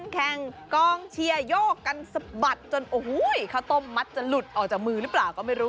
กันสะบัดจนข้าวต้มมัศจะหลุดออกจากมือหรือเปล่าก็ไม่รู้